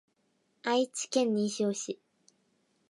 愛知県西尾市